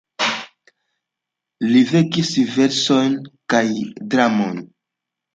Li vekis versojn kaj dramojn.